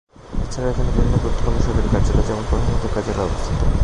এছাড়াও এখানে বিভিন্ন গুরুত্বপূর্ণ সরকারি কার্যালয়, যেমনঃ প্রধানমন্ত্রীর কার্যালয় অবস্থিত।